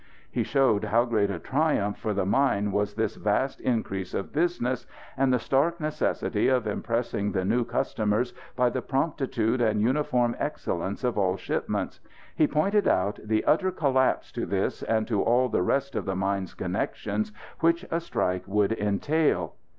He showed how great a triumph for the mine was this vast increase of business; and the stark necessity of impressing the new customers by the promptitude and uniform excellence of all shipments. He pointed out the utter collapse to this and to all the rest of the mine's connections which a strike would entail.